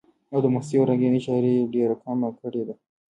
او د مستۍ او رنګينۍ شاعري ئې ډېره کمه کړي ده،